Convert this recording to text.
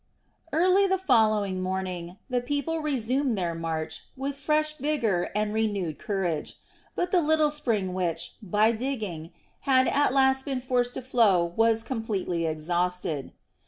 Early the following morning the people resumed their march with fresh vigor and renewed courage; but the little spring which, by digging, had at last been forced to flow was completely exhausted.